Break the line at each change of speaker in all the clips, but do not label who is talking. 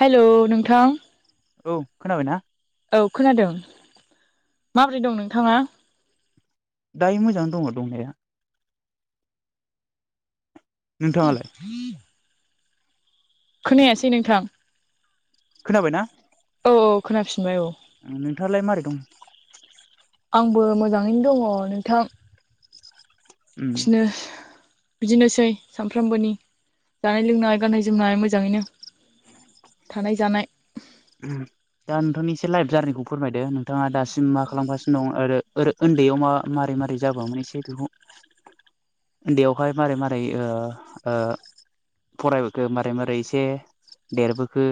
हायल' नोंथां
औ खोनाबायना?
औ खोनादों माबोरै दं नोंथाङा?
दायो मोजां दङ दंनाया नोंथाङालाय
खोनायासै नोंथां
खोनाबाय ना?
औ औ खोनाफिनबाय औ
उम नोंथाङालाय मारै दं
आंबो मोजाङैनो दङ नोंथां
उम
थिनो बिदिनोसै सानफ्रामबोनि जानाय लोंनाय गाननाय जोमनाय मोजाङैनो थानाय जानाय
[unintelligible] दा नोंथांनि से लाइभ जारनिखौ फोरमायदो नोंथाङा दासिम मा खालामगासिनो दं ओरो उन्दैयाव मा मारै मारै जाब्ला मान एसे बेखौ
[inaudible]
ओन्दैयावहाय मारै मारै ओ ओ फरायबोखो मारै मारै इसे देरबोखो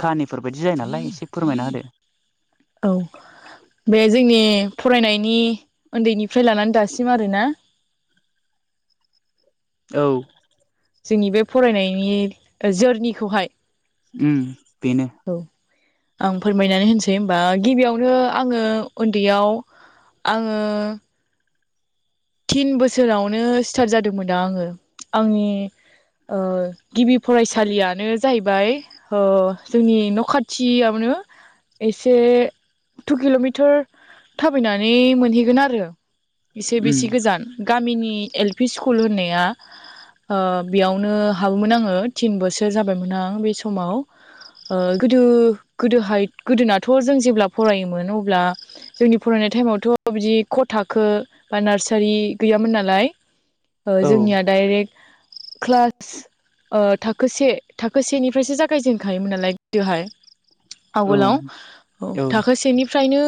खाहनि फोर बायदि जायो नालाय इसे फोरमायना होदो।
औ बे जोंनि फरायनायनि उन्दैनिफ्राय लानानै दासिम आरोना
औ।
जोंनि बे फरायनायनि जोरनिखौहाय
उम बेनो
[inaudible] औ आं फोरमायनानै होनसै होमबा गिबियावनो आङो उन्दैयाव आङो थिन बोसोरावनो स्टार्ट जादोंमोन दा आङो आंनि ओ गिबि फरायसालियानो जाहैबाय हो जोंनि न' खाथियावनो एसे टु किल'मिटार थाबायनानै मोनहैगोन आरो इसे
उम
बेसिक जान गामिनि एल पि स्कुल होननाया आ बेयावनो हाबोमोन आङो थिन बोसोर जाबायमोन आं बे समाव ओ गोदो गोदोहाय गोदोनाथ' जों जेब्ला फरायोमोन अब्ला। जोंनि फरायनाय टाइमावथ' बिदि ख' थाखो बा नारसा सारि गैयामोन नालाय ओ
औ
जोंनिया डाइरेक क्लास ओ थाखो से थाखो सेनिफ्रायसो जागायजेनखायोमोन नालाय गोदोहाय
औ
आवगोलाव औ थाखो सेनिफ्रायनो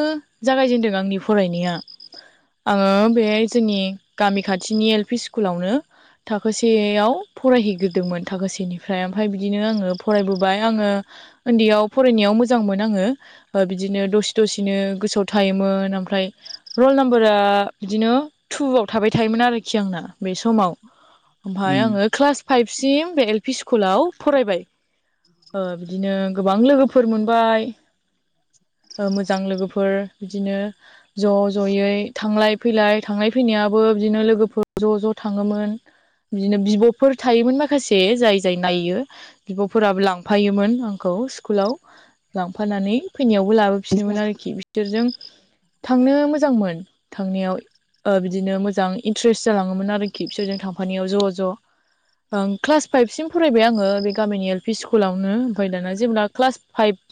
जागायजेनदों आंनि फ फरायनाया आङो बे जोंनि गामि खाथिनि एल पि स्कुलावनो थाखो सेयाव फरायहैग्रोदोंमोन थाखो सेनिफ्राय ओमफ्राय बिदिनो आङो फरायबोबाय आङो ओन्दैयाव फरायनायाव मोजांमोन आङो ओ बिदिनो दसे दसेनो गोसोआव थायोमोन ओमफ्राय रल नाम्बारा बिदिनो टुआव थाबाय थायोमोन आरोखि आंना बे समाव ओमफ्राय
उम
आङो क्लास फाइभसिम बे एल पि स्कुलाव फरायबाय बिदिनो गोबां लोगोफोर फोर मोनबाय मोजां लोगोफोर बिदिनो ज' ज'यै थांलाय फैलाय थांलाय फैनायाबो बिदिनो लोगोफोर ज' ज' थाङोमोन बिदिनो बिब'फोर थायोमोन माखासे जाय जाय नायो बिब'फोराबो लांफायोमोन आंखौ स्कुलाव लांफानानै फैनायावबो लाबो बिफिनोमोन आरोखि बिसोरजों थांनो मोजांमोन थांनायाव बिदिनो मोजां इन्ट्रेस्ट जालाङोमोन आरोखि बिसोरजों थांफानायाव ज' ज' क्लास फाइभसिम फरायबाय आङो बे गामिनि एल पि स्कुलावनो ओमफ्राय दाना जेब्ला क्लास फाइभ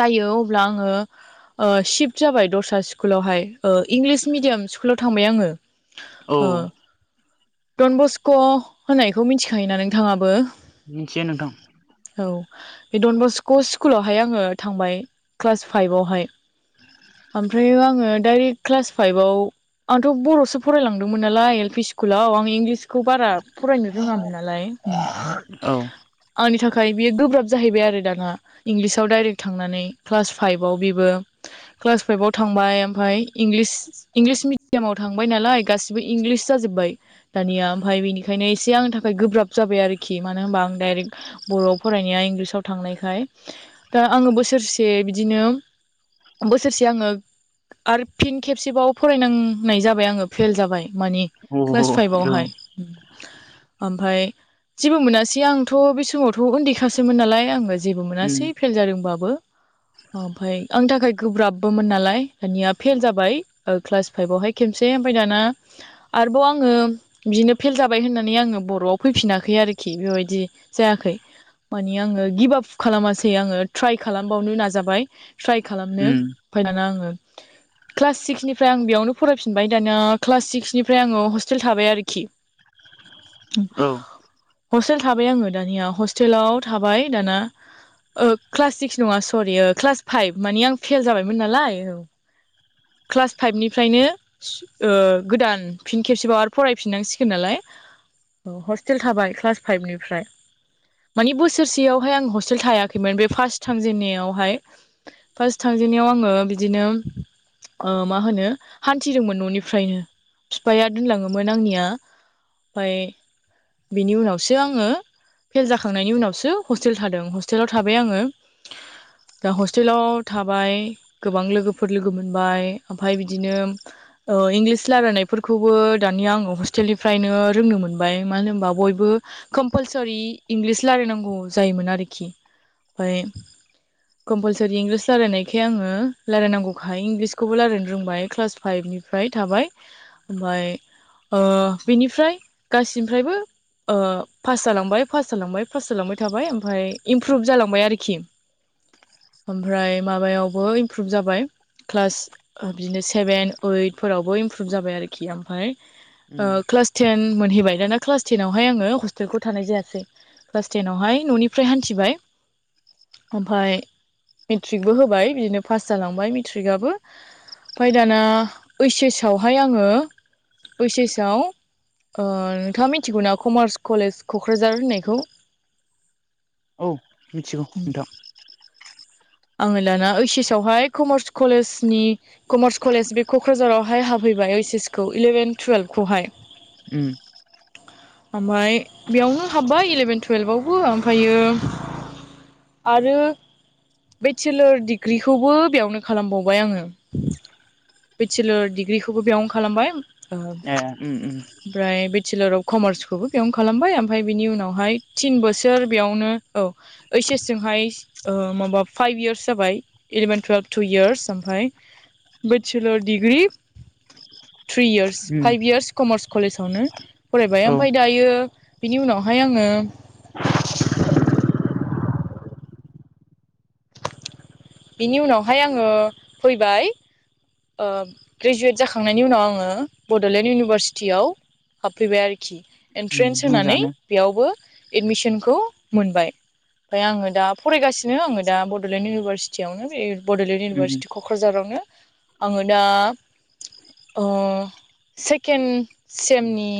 जायो अब्ला आङो सिफत जाबाय दस्रा स्कुलावहाय इंलिस मिडियाम सु स्कुलाव थांबाय आङो
औ
ओ डन बस्क' होननायखौ मिथिखायोना नोंथाङाबो
मिथियो नोंथां
औ बे डन बस्क' स्कुलावहाय आङो थांबाय क्लास फाइभवहाय ओमफ्राय आङो दाइरेक्ट क्लास फाइभआव आंथ' बर'सो फरायलांदोंमोन नालाय एल पि स्कुलाव आं इंलिस खौ बारा फरायनो रोङामोन नालाय
औ
आंनि थाखाय बियो गोब्राब जाहैबाय आरो दाना इंलिसाव डाइरेक्ट थांनानै क्लास फाइभआव बेबो क्लास फाइभआव थांबाय ओमफ्राय इंलिस मिडि थांबाय नालाय गासिबो इंलिस जाजोब्बाय दानिया ओमफ्राय बेनि ओंखायनो एसे आंनि थाखाय गोब्राब जाबाय आरोखि मानो होनबा आं डाइरेक्ट बर'आव फरायनाया इंलिसाव थांनायखाय दा आङो बोसोरसे बिदिनो बोसोरसे आङो आरो फिन खेबसेबाव फरायनांनाय जाबाय आङो फेल जाबाय माने
औ
क्लास
औ
फाइभआवहाय ओमफ्राय जेबो मोनासै आंथ' बे समावथ' उन्दैखासोमोन नालाय आङो जेबो
उम
मोनासै फेल जादोंबाबो ओमफाय आंनि थाखाय गोब्राबबोमोन नालाय दानिया फेल जाबाय क्लास फाइभवहाय खेबसे ओमफ्राय दाना आरोबाव आङो बिदिनो फेल जाबाय होननानै आङो बर'आव फैफिनाखै आरोखि बेबायदि जायाखै माने आङो गिभ आप खालामासै आङो ट्राय खालामबावनो नाजाबाय ट्राइ खालामनो
उम
माय दाना आङो क्लास सिक्सनिफ्राय आं बेयावनो फरायफिनबाय दाना क्लास सिक्सनिफ्राय आङो हस्टेल थाबाय आरोखि
औ
हस्टेल थाबाय आङो दानिया हस्टेलाव थाबाय दाना क्लास सिक्स नङा सरि क्लास फाइभ माने आं फेल जाबायमोन नालाय औ क्लास फाइभनिफ्रायनो गोदान फिन खेबसेबाव आरो फरायफिननांसिगोन नालाय औ हस्टेल थाबाय क्लास फाइभनिफ्राय माने बोसोरसेयावहाय आं हस्टेल थायाखैमोन बे फार्स्ट थांजेनन्नायावहाय फार्स्ट थांजेनन्नायाव आङो बिदिनो मा होनो हान्थिदोंमोन न'निफ्रायनो बिफाया दोनलाङोमोन आंनिया ओमफ्राय बेनि उनावसो आङो फेल जाखांनायनि उनावसो हस्टेल थादों हस्टेलाव थाबाय आङो दा हस्टेलाव थाबाय गोबां लोगोफोर लोगो मोन मोनबाय ओमफ्राय बिदिनो ओ इंलिस रायलायनायफोरखौबो दानिया आङो हस्टेलनिफ्रायनो रोंनो मोनबाय मानो होनबा बयबो कम्पालसर इंलिस रायलायनांगौ जायोमोन आरोखि ओमफाय कम्पालसरि इंलिस रायनायखाय आङो रायलायनांगौ ओमफ्राय इंलिसखौबो रायज्लायनो रोंबाय क्लास फाइभनिफ्राय थाबाय ओमफाय ओ बिनिफ्राय गासैनिफ्रायबो ओ पास जालांबाय पास जालांबाय पास जालांबाय थाबाय ओमफ्राय इमप्रुभ जालांबाय आरोखि। ओमफ्राय माबायावबो इमप्रुभ जाबाय। क्लास बिदिनो सेभेन ओइटफोरावबो इमप्रुभ जाबाय आरोखि ओमफाय ओ
उम
क्लास टेन मोनहैबाय दाना क्लास टेनावहाय आङो हस्टेलखौ थानाय जायासै। क्लास टेनआवहाय न'निफ्राय हान्थिबाय। ओमफाय मेट्रिकबो होबाय बिदिनो पास जालांबाय मेट्रिकआबो। ओमफाय दाना ओइस एस आवहाय आङो ओइस एसआव ओ नोंथाङा मिथिगौना कमार्स कलेज क'क्राझार होननायखौ।
औ मिथिगौ नोंथां।
आङो दाना ओइस एस आवहाय कमार्स कलेजनि कमार्स कलेज बे क'क्राझारावहाय हाफैबाय ओइस एस खौ इलेभेन टुयेल्भखौहाय।
उम।
[inaudible] ओमफाय बेयावनो हाब्बाय इलेभेन टुयेल्भावबो ओमफायो आरो बेचलार डिग्रिखौबो बेयावनो खालामबावबाय आङो। बेचलार डिग्रिखौबो बेयावनो खालामबाय।
ए उम उम।
ओमफ्राय बेचलार अफ कमार्सखौबो बेयावनो खालामबाय ओमफाय बिनि उनावहाय थिन बोसोर बेयावनो औ। ओइस एस जोंहाय ओ माबाब फाइभ यार्स जाबाय इलेभेन टुयेल्भ टु इयार्स ओमफाय bachelor degree three years
um
five years commerce कलेजावनो फरायबाय
औ
ओमफाय दायो बिनि उनावहाय आङो बिनि उनावहाय आङो फैबाय ओ ग्रेजुवेट जाखांनायनि उनाव आङो बड'लेण्ड इउनिभारसिटियाव हाबफैबाय आरोखि
उम
एन्ट्रेन्स होनानै
मोजाङानो
बेयावबो एडमिसनखौ मोनबाय। ओमफाय आङो दा फरायगासिनो आङो दा बडलेण्ड इउनिभारसिटियावनो बे बड'लेण्ड
उम
इउनिभारसिटि ख क'क्राझारावनो आङो दा ओ सेकेन्ड सेमनि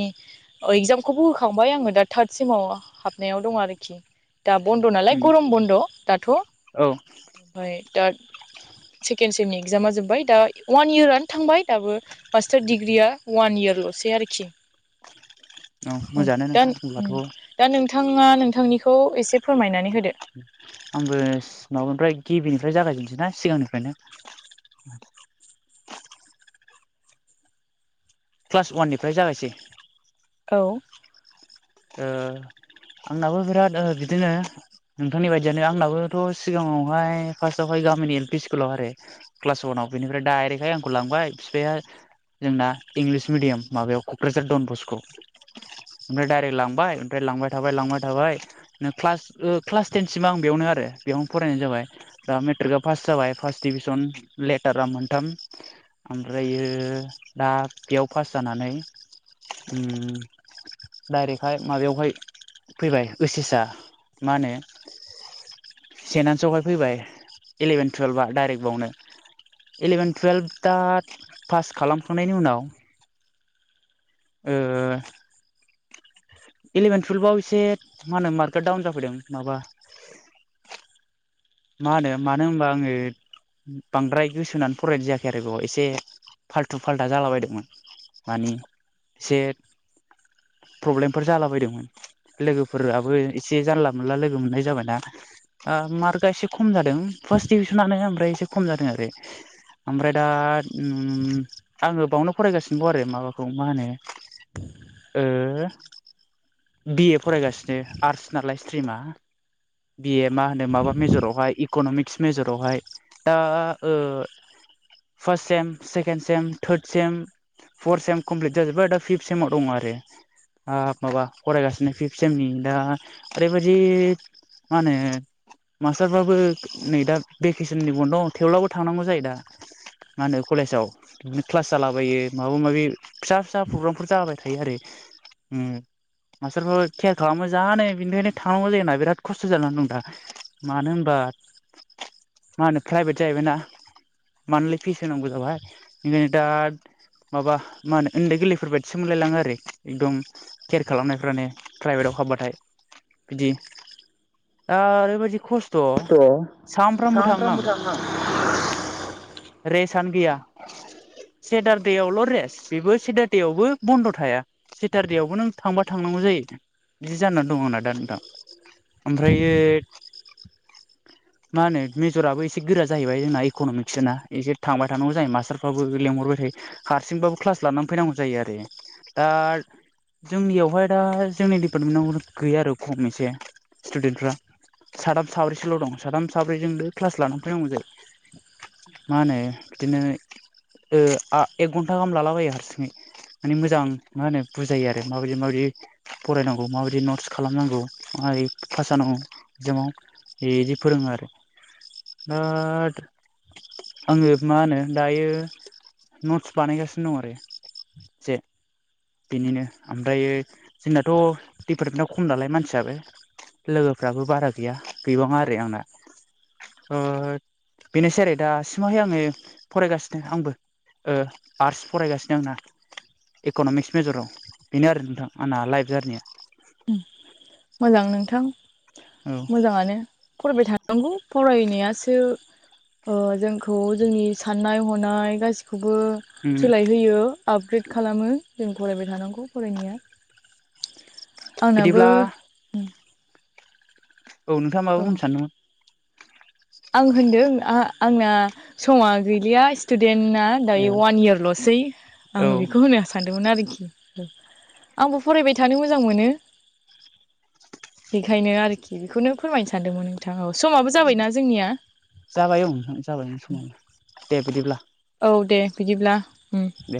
इगजामखौबो होखांबाय आङो दा थार्द सिमाव हाबनायाव दं आरोखि। दा बन्द' नालाय
उम
गरम बन्द' दाथ'।
औ।
ओमफ्राय दा सेकेन्ड सेमनि इक्जामा जोब्बाय दा अवान इयारानो थांबाय दाबो। मास्टार डिग्रिया अवान इयारल'सै आरोखि।
औ मोजाङानो
दा
नोंथां होनब्लाथ'
दा नोंथाङा नोंथांनिखौ एसे फोरमायनानै होदो।
[inaudible] आंबो माबानिफ्राय गिबिनिफ्राय जागायजेनसै ना सिगांनिफ्रायनो। क्लास अवाननिफ्राय जागायसै।
औ।
ओ आंनाबो बिराद बिदिनो नोंथांनि बायदियानो आंनाबोथ' सिगाङावहाय फार्स्टआवहाय गामिनि एल पि स्कुलाव आरो। क्लास अवानाव बेनिफ्राय दडाइरेक्हाय आंखौ लांबाय फिफाया जोंना इंलिस मिडियाम माबायाव क'क्राझार डन बस्क ओमफ्राय डाइरेक्ट लांबाय ओमफ्राय लांबाय थाबाय लांबाय थाबाय नो क्लास ओ क्लास टेनसिम आं बेयावनो आरो बेयावनो फरायनाय जाबाय। दा मेट्रिकआ पास जाबाय फार्स्ट डिभिसन लेटारा मोनथाम। ओमफ्रायो दा बेयाव पास जानानै उम डाइरेक्टहाय माबायावहाय फैबाय ओतच एसआ मा होनो? सेेनान्सआवहाय फैबाय इलेभेन टुवेल्भआ डाइरेक्ट बावनो। इलेभेन टुवेल्भ दा पास खालामखांनायनि उनाव ओ इलेभेन टुवेल्भआव एसे मा होनो मार्कआ डाउन जाफैदों माबा मा होनो मानो होनबा आङो बांद्राय गोसो होनानै फरायनाय जायाखै आरो बेयाव एसे फाल्थु फाल्था जालाबायदोंमोन। माने एसे प्रब्लेमफोर जालाबायदोंमोन। लोगोफोराबो एसे जानला मोनला लोगो मोननाय जाबायना ओ मार्कआ एसे खम जादों फार्स्ट डिभिसनानो ओमफ्राय एसे खम जादों आरो। ओमफ्राय दा उम आङो बावनो फरायगासिनोबाव आरो माबाखौ मा होनो ओ बि ए फरायगासिनो आर्टस नालाय स्ट्रिमा बि ए मा होनो माबा मे ज'रावहाय इक'नमिक्स मेजरावहाय दा ओ first sem second sem third sem four sem complete जाजोबबाय दा पिफ्त सेमाव दङ आरो। ओ माबा फरायगासिनो फिफ्थ सेमनि दा ओरैबायदि मा होनो मास्टारफ्राबो नै दा भेकेसननि बन्द' थेवब्लाबो थांनांगौ जायो दा। मा होनो कलेजाव। बिदिनो क्लास जालाबायो माबा माबि फिसा फिसा प्रग्रामफोर जालाबाय थायो आरो। उम। मास्टारफोराबो केयार खालामो जानो बिनिखायनो थांनांगौ जायोना बिराद खस्थ' जानानै दं दा। मानो होनबा मा होनो प्राइभेट जाहैबायना। मान्थलि फिस होनांगौ जाबाय ओंखायनो दा माबा मा होनो उन्दै गोरलैफोर बायदिसो मोनलायलाङो आरो एकदम केयार खालामनायफ्रानो प्राइभेटआव हाबबाथाय बिदि दा ओरैबायदि खस्थ' सानफ्रामबो थाङो आं। रेस्टानो गैया। सेटारडेआवल' रेस्ट बेबो सेटारडेआवबो बन्द' थाया। सेटारडेआवबो नों थांबा थांनांगौ जायो बिदि जाना दं आंना दा नोंथां। ओमफ्रायो मा होनो मेज'राबो एसे गोरा जाहैबाय जोंना इक'नमिक्सा एसे थांबाय थानांगौ जायो मास्टारफ्राबो लेंहरबाय थायो। हारसिंबाबो क्लास लानानै फैनांगौ जायो आरो दा जोंनियावहाय दा जोंनि डिपार्टमेन्टआव गैया आरो खम एसे स्टुडेन्टफ्रा। साथाम साब्रैसोल' दं साथाम साब्रैजोंनो क्लास लाना फैनांगौ जायो। मा होनो बिदिनो ओ आ एक घन्टा गाहाम लालाबायो हारसिङै। माने मोजां मा होनो बुजायो आरो माबायदि माबायदि फरायनांगौ माबायदि नटस खालामनांगौ मारै पास जानांगौ इकजामाव बिदि फोरोङो आरो बिराद आङो मा होनो दायो नटस बानायगासिनो दं आरो। जे बेनिनो ओमफ्रायो जोंनाथ' डपार्टमेन्टआव खम नालाय मानसियाबो। लोगोफ्राबो बारा गैया गैबाङा आरो आंना थ' बेनोसै आरो दासिमावहाय आङो फरायगासिनो आंबो। ओ आर्टस फरायगासिनो आं ना। इक'न'मिक्स मेज'राव बेनो आरो नोंथां आंना लाइप जारनिया।
उम मोजां नोंथां
औ
मोजाङानो। फरायबाय थानांगौ फरायनायासो ओ जोंखौ जोंनि साननाय हनाय गासिखौबो
उम
सोलायहोयो आपग्रेड खालामो जों फरायबाय थानांगौ फरायनाया आंनाबो
बिदिब्ला औ नोंथाङा माबा
औ
बुंनो सानदोंमोन
आं होनदों आ आंना समा गैलिया स्टुदेन्टना दायो वान इयारल'सै
औ
आङो बेखौ होनो सानदोंमोन आरोखि आंबो फरायबाय थानो मोजां मोनो बेखायनो आरोखि बेखौनो फोरमायनो सानदोंमोन नोंथां औसमाबो जाबायना जोंनिया
जाबाय ओं ओम जाबायमोन समा दे बिदिब्ला
औ दे बिदिब्ला ओम
दे